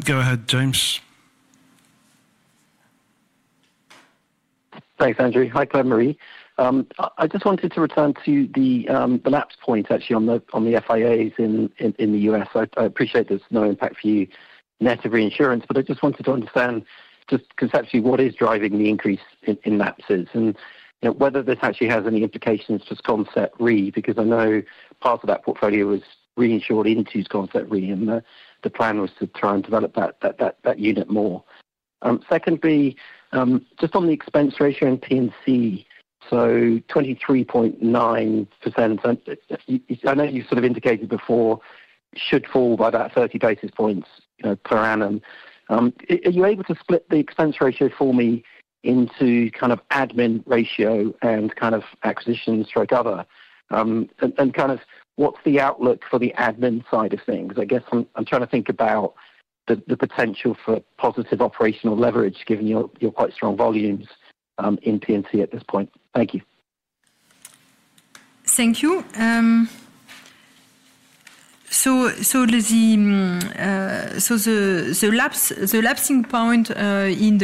Go ahead, James. Thanks, Andrew. Hi, Claire-Marie. I just wanted to return to the NABs point, actually, on the FIAs in the US. I appreciate there's no impact for you net of reinsurance, but I just wanted to understand just conceptually what is driving the increase in NABses and whether this actually has any implications for Sconcept Re because I know part of that portfolio was reinsured into Sconcept Re and the plan was to try and develop that unit more. Secondly, just on the expense ratio in P&C, so 23.9%, I know you sort of indicated before should fall by about 30 basis points per annum. Are you able to split the expense ratio for me into kind of admin ratio and kind of acquisition strike other? And kind of what's the outlook for the admin side of things? I guess I'm trying to think about the potential for positive operational leverage given your quite strong volumes in P&C at this point. Thank you. Thank you. The lapsing point in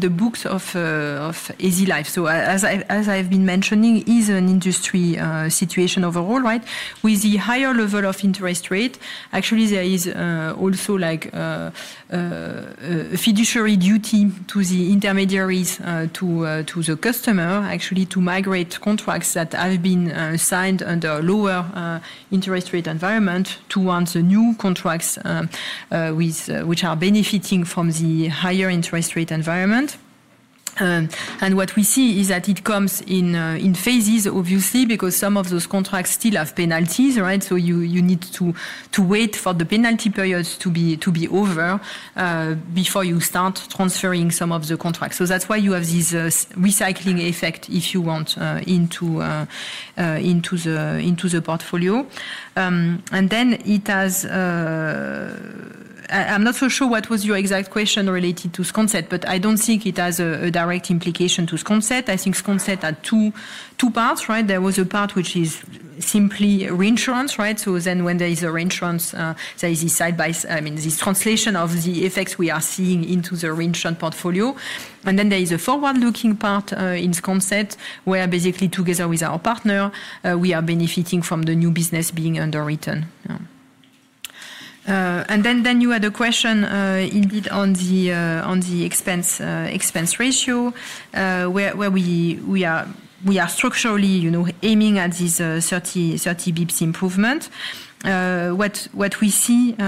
the books of Easy Life, as I've been mentioning, is an industry situation overall, right? With the higher level of interest rate, actually there is also a fiduciary duty to the intermediaries to the customer, actually, to migrate contracts that have been signed under a lower interest rate environment towards the new contracts which are benefiting from the higher interest rate environment. What we see is that it comes in phases, obviously, because some of those contracts still have penalties, right? You need to wait for the penalty periods to be over before you start transferring some of the contracts. That is why you have this recycling effect, if you want, into the portfolio. I am not so sure what was your exact question related to Sconcept, but I do not think it has a direct implication to Sconcept. I think Sconcept had two parts, right? There was a part which is simply reinsurance, right? When there is a reinsurance, there is this side-by-side, I mean, this translation of the effects we are seeing into the reinsurance portfolio. There is a forward-looking part in Sconcept where basically together with our partner, we are benefiting from the new business being underwritten. You had a question indeed on the expense ratio where we are structurally aiming at this 30 basis points improvement. What we see in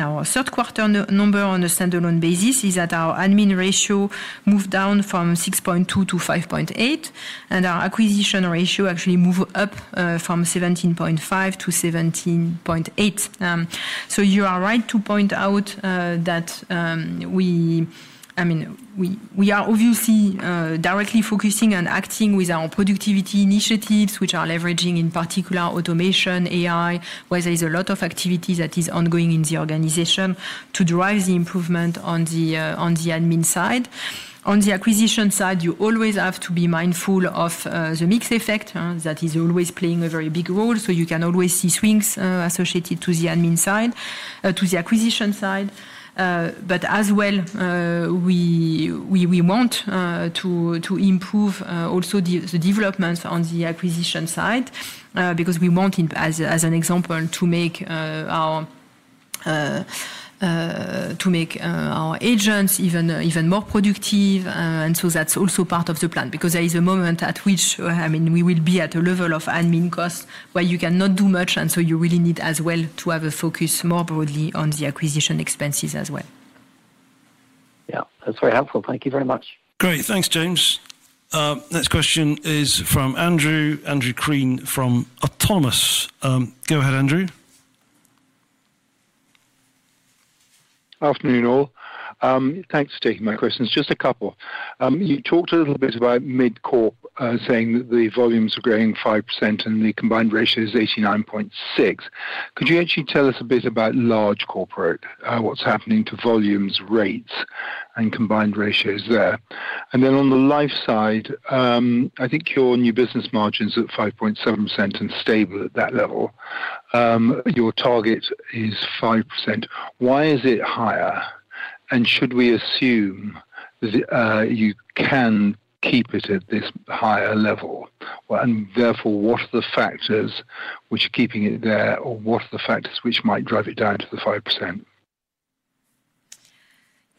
our third quarter number on a standalone basis is that our admin ratio moved down from 6.2-5.8, and our acquisition ratio actually moved up from 17.5-17.8. You are right to point out that we, I mean, we are obviously directly focusing and acting with our productivity initiatives, which are leveraging in particular automation, AI, where there is a lot of activity that is ongoing in the organization to drive the improvement on the admin side. On the acquisition side, you always have to be mindful of the mixed effect that is always playing a very big role. You can always see swings associated to the admin side, to the acquisition side. As well, we want to improve also the developments on the acquisition side because we want, as an example, to make our agents even more productive. And so that's also part of the plan because there is a moment at which, I mean, we will be at a level of admin cost where you cannot do much, and so you really need as well to have a focus more broadly on the acquisition expenses as well. Yeah. That's very helpful. Thank you very much. Great. Thanks, James. Next question is from Andrew, Andrew Crean from Autonomous. Go ahead, Andrew. Afternoon, all. Thanks for taking my questions. Just a couple. You talked a little bit about mid-corp saying that the volumes are growing 5% and the combined ratio is 89.6%. Could you actually tell us a bit about large corporate, what's happening to volumes, rates, and combined ratios there? And then on the life side, I think your new business margins are at 5.7% and stable at that level. Your target is 5%. Why is it higher? Should we assume you can keep it at this higher level? Therefore, what are the factors which are keeping it there, or what are the factors which might drive it down to the 5%?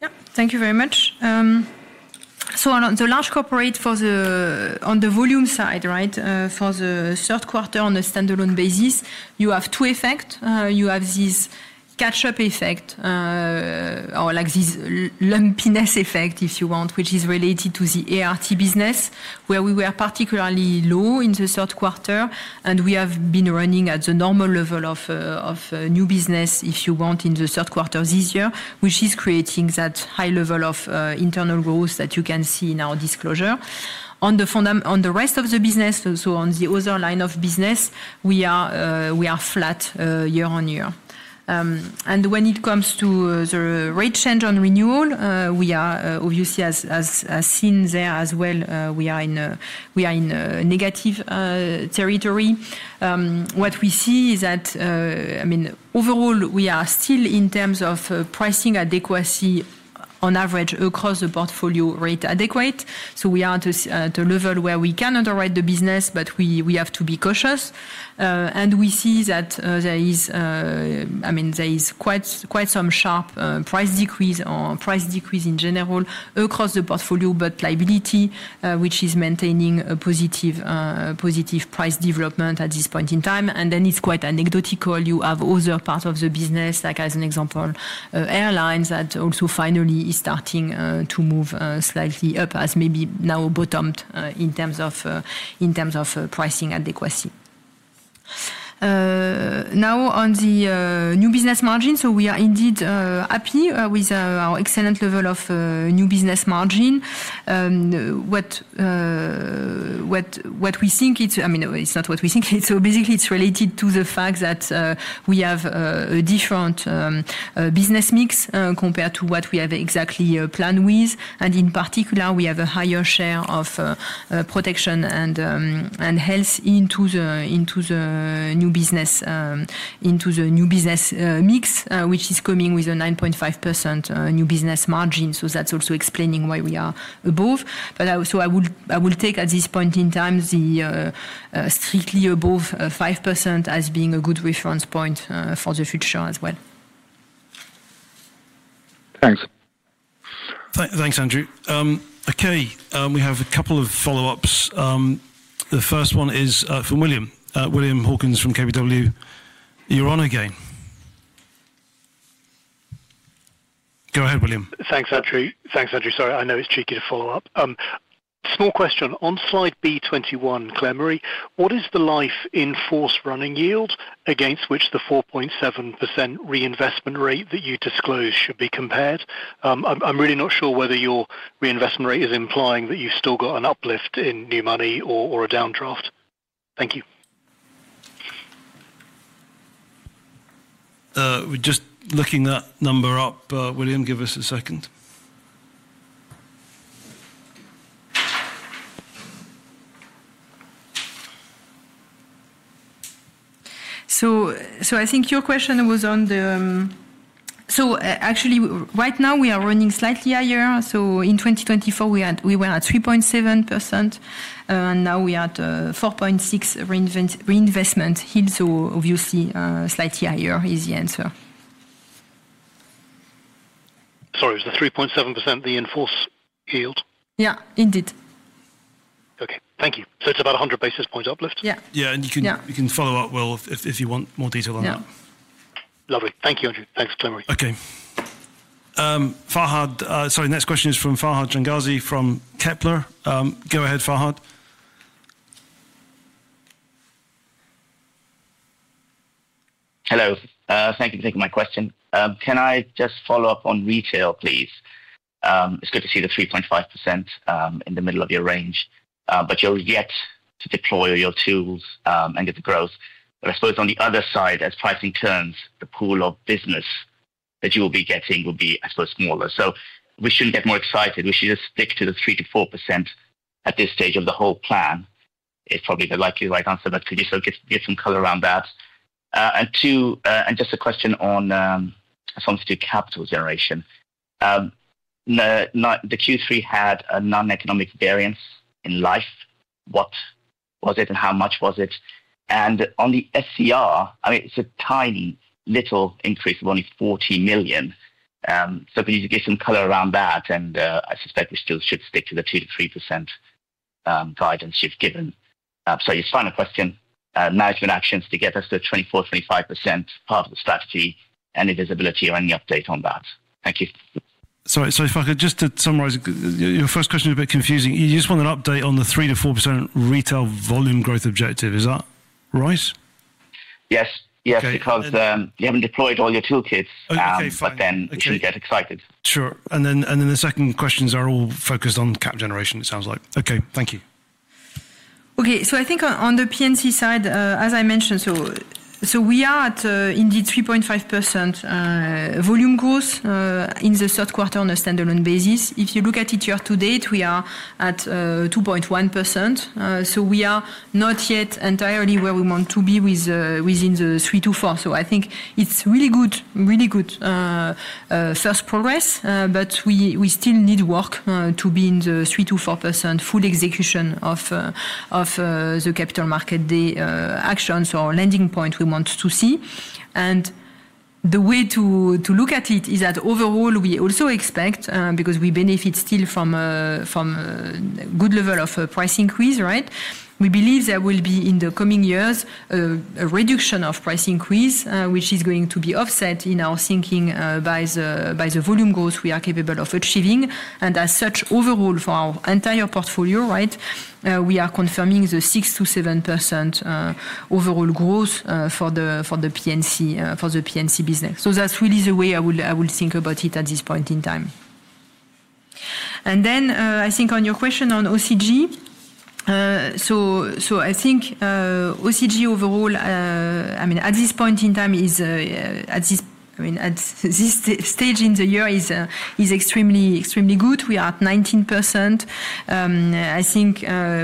Yeah. Thank you very much. On the large corporate on the volume side, right, for the third quarter on a standalone basis, you have two effects. You have this catch-up effect or like this lumpiness effect, if you want, which is related to the ART business, where we were particularly low in the third quarter, and we have been running at the normal level of new business, if you want, in the third quarter this year, which is creating that high level of internal growth that you can see in our disclosure. On the rest of the business, on the other line of business, we are flat year on year. When it comes to the rate change on renewal, we are obviously, as seen there as well, we are in negative territory. What we see is that, I mean, overall, we are still in terms of pricing adequacy on average across the portfolio rate adequate. We are at a level where we can underwrite the business, but we have to be cautious. We see that there is, I mean, there is quite some sharp price decrease in general across the portfolio, but liability, which is maintaining a positive price development at this point in time. It is quite anecdotal. You have other parts of the business, like as an example, airlines that also finally is starting to move slightly up as maybe now bottomed in terms of pricing adequacy. Now, on the new business margin, we are indeed happy with our excellent level of new business margin. What we think, I mean, it's not what we think. Basically, it's related to the fact that we have a different business mix compared to what we have exactly planned with. In particular, we have a higher share of protection and health into the new business mix, which is coming with a 9.5% new business margin. That is also explaining why we are above. I will take at this point in time the strictly above 5% as being a good reference point for the future as well. Thanks. Thanks, Andrew. Okay. We have a couple of follow-ups. The first one is from William. William Hawkins from KBW. You're on again. Go ahead, William. Thanks, Andrew. Thanks, Andrew. Sorry, I know it's tricky to follow up. Small question. On slide B21, Claire-Marie, what is the life in force running yield against which the 4.7% reinvestment rate that you disclosed should be compared? I'm really not sure whether your reinvestment rate is implying that you've still got an uplift in new money or a downdraft. Thank you. Just looking that number up, William, give us a second. I think your question was on the, so actually, right now, we are running slightly higher. In 2024, we were at 3.7%, and now we are at 4.6% reinvestment yield. Obviously, slightly higher is the answer. Sorry, was the 3.7% the in force yield? Yeah, indeed. Okay. Thank you. It's about 100 basis points uplift. Yeah. Yeah. You can follow up, Will, if you want more detail on that. Yeah. Lovely. Thank you, Andrew. Thanks, Claire-Marie. Okay. Fahad, sorry, next question is from Fahad Changazi from Kepler. Go ahead, Fahad. Hello. Thank you for taking my question. Can I just follow up on retail, please? It's good to see the 3.5% in the middle of your range, but you'll get to deploy your tools and get the growth. I suppose on the other side, as pricing turns, the pool of business that you will be getting will be, I suppose, smaller. We shouldn't get more excited. We should just stick to the 3%-4% at this stage of the whole plan. It's probably the likely right answer. Could you still get some color around that? Just a question on some of the capital generation. The Q3 had a non-economic variance in life. What was it and how much was it? On the SCR, I mean, it's a tiny little increase of only 40 million. Could you get some color around that? I suspect we still should stick to the 2%-3% guidance you've given. Your final question, management actions to get us to 24%-25% part of the strategy and the visibility or any update on that? Thank you. Sorry, Farhad, just to summarize, your first question is a bit confusing. You just want an update on the 3%-4% retail volume growth objective. Is that right? Yes. Yes, because you haven't deployed all your toolkits, but then you shouldn't get excited. Sure. The second questions are all focused on cap generation, it sounds like. Okay. Thank you. Okay. I think on the P&C side, as I mentioned, we are at indeed 3.5% volume growth in the third quarter on a standalone basis. If you look at it year to date, we are at 2.1%. We are not yet entirely where we want to be within the 3%-4%. I think it's really good, really good first progress, but we still need work to be in the 3%-4% full execution of the capital market actions or landing point we want to see. The way to look at it is that overall, we also expect, because we benefit still from a good level of price increase, right? We believe there will be in the coming years a reduction of price increase, which is going to be offset in our thinking by the volume growth we are capable of achieving. As such, overall, for our entire portfolio, right, we are confirming the 6%-7% overall growth for the P&C business. That is really the way I will think about it at this point in time. I think on your question on OCG, OCG overall, at this point in time, at this stage in the year is extremely good. We are at 19%. I think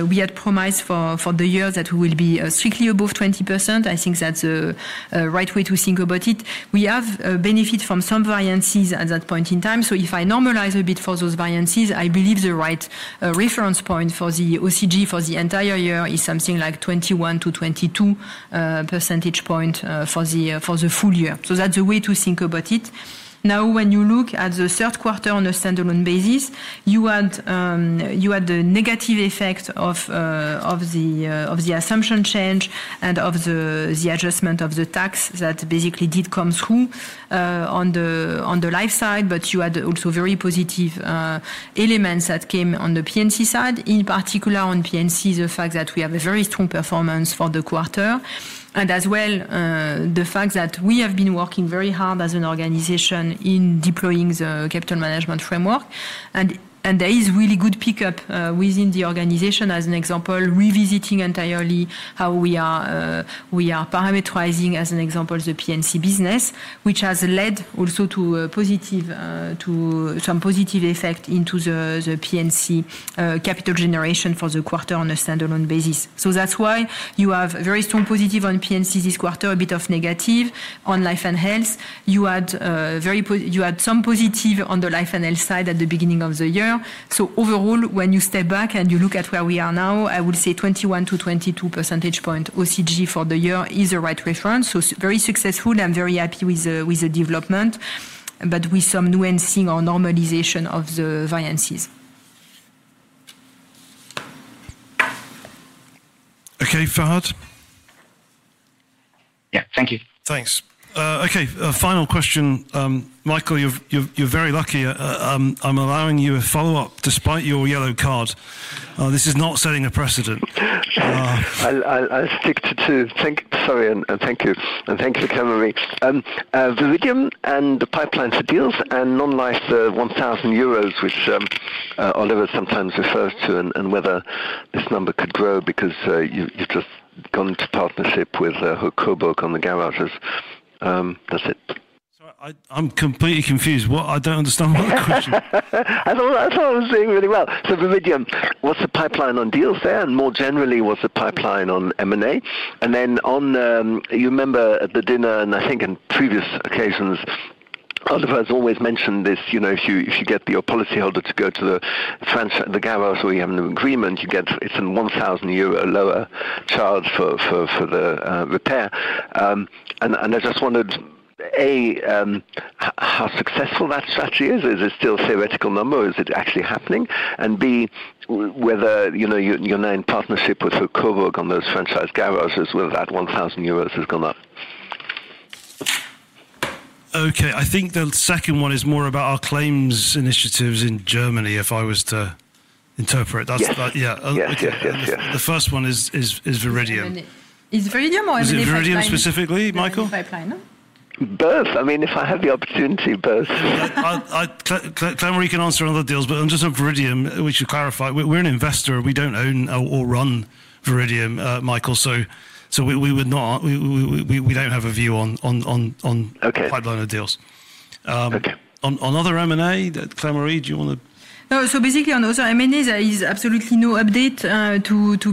we had promised for the year that we will be strictly above 20%. I think that is the right way to think about it. We have benefit from some variances at that point in time. If I normalize a bit for those variances, I believe the right reference point for the OCG for the entire year is something like 21-22 percentage points for the full year. That is a way to think about it. Now, when you look at the third quarter on a standalone basis, you had the negative effect of the assumption change and of the adjustment of the tax that basically did come through on the life side, but you had also very positive elements that came on the P&C side. In particular, on P&C, the fact that we have a very strong performance for the quarter. As well, the fact that we have been working very hard as an organization in deploying the capital management framework. There is really good pickup within the organization, as an example, revisiting entirely how we are parameterizing, as an example, the P&C business, which has led also to some positive effect into the P&C capital generation for the quarter on a standalone basis. That is why you have very strong positive on P&C this quarter, a bit of negative on life and health. You had some positive on the life and health side at the beginning of the year. Overall, when you step back and you look at where we are now, I would say 21-22 percentage points OCG for the year is a right reference. Very successful. I am very happy with the development, but with some nuancing or normalization of the variances. Okay, Fahad. Yeah. Thank you. Thanks. Okay. Final question. Michael, you are very lucky. I am allowing you a follow-up despite your yellow card. This is not setting a precedent. I will stick to two. Sorry. And thank you. And thank you, Claire-Marie. The medium and the pipeline for deals and non-life, the 1,000 euros, which Oliver sometimes refers to and whether this number could grow because you've just gone into partnership with HUK-Coburg on the garages. That's it. I'm completely confused. I don't understand my question. I thought I was doing really well. Viridium, what's the pipeline on deals there? More generally, what's the pipeline on M&A? You remember at the dinner and I think in previous occasions, Oliver has always mentioned this. If you get your policyholder to go to the garage where you have an agreement, it's a 1,000 euro lower charge for the repair. I just wondered, A, how successful that strategy is? Is it still a theoretical number? Is it actually happening? B, whether you're now in partnership with HUK-Coburg on those franchise garages where that 1,000 euros is going up? Okay. I think the second one is more about our claims initiatives in Germany, if I was to interpret. Yeah. The first one is Viridium. Is Viridium more of an investor? Is Viridium specifically, Michael? Both. I mean, if I have the opportunity, both. Claire-Marie can answer other deals, but I'm just on Viridium, which you clarified. We're an investor. We do not own or run Viridium, Michael. So we do not have a view on the pipeline of deals. On other M&A, Claire-Marie, do you want to? No. So basically, on other M&A, there is absolutely no update to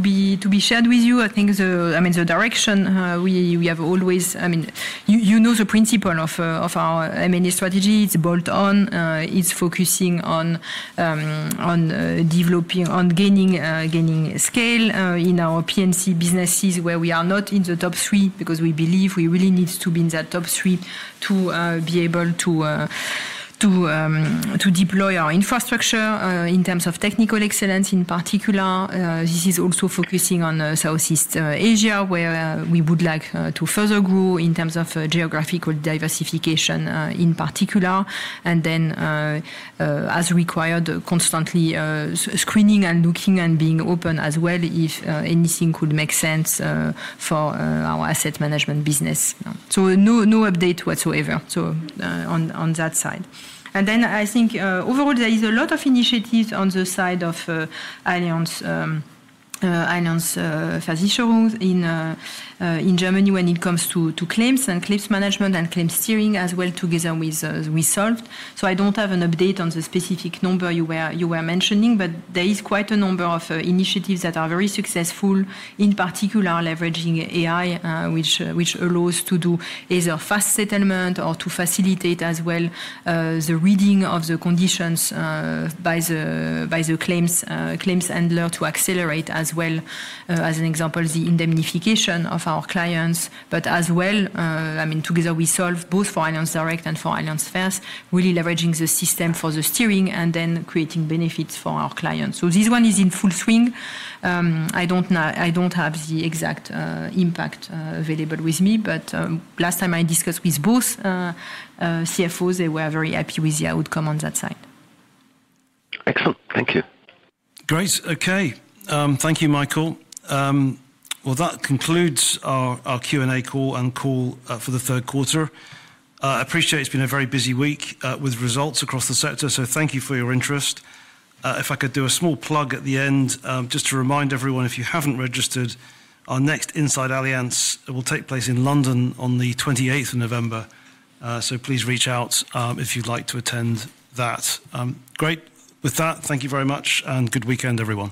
be shared with you. I think, I mean, the direction we have always, I mean, you know the principle of our M&A strategy. It is bolt-on. It's focusing on gaining scale in our P&C businesses where we are not in the top three because we believe we really need to be in that top three to be able to deploy our infrastructure in terms of technical excellence in particular. This is also focusing on Southeast Asia where we would like to further grow in terms of geographical diversification in particular. As required, constantly screening and looking and being open as well if anything could make sense for our asset management business. No update whatsoever on that side. I think overall, there is a lot of initiatives on the side of Allianz Versicherungen in Germany when it comes to claims and claims management and claims steering as well together with Solvd. I don't have an update on the specific number you were mentioning, but there is quite a number of initiatives that are very successful, in particular leveraging AI, which allows to do either fast settlement or to facilitate as well the reading of the conditions by the claims handler to accelerate as well, as an example, the indemnification of our clients. As well, I mean, together we solve both for Allianz Direct and for Allianz Partners, really leveraging the system for the steering and then creating benefits for our clients. This one is in full swing. I don't have the exact impact available with me, but last time I discussed with both CFOs, they were very happy with the outcome on that side. Excellent. Thank you. Great. Okay. Thank you, Michael. That concludes our Q&A call and call for the third quarter. I appreciate it's been a very busy week with results across the sector, so thank you for your interest. If I could do a small plug at the end, just to remind everyone, if you haven't registered, our next Inside Allianz will take place in London on the 28th of November. Please reach out if you'd like to attend that. Great. With that, thank you very much and good weekend, everyone.